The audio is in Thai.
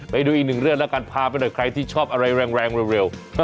ไปดูอีกหนึ่งเรื่องแล้วกันพาไปหน่อยใครที่ชอบอะไรแรงเร็ว